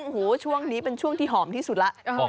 โอ้โหช่วงนี้เป็นช่วงที่หอมที่สุดแล้ว